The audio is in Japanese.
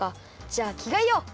じゃあきがえよう。